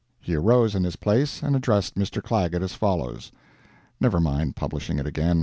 He arose in his place and addressed Mr. Clagett as follows—[Never mind publishing it again.